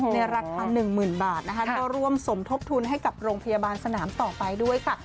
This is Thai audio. ในรัฐภัณฑ์๑หมื่นบาทร่วมสมทบทุนให้กับโรงพยาบาลสนามต่อไปด้วยค่ะ